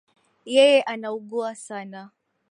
Yeye anaugua sana.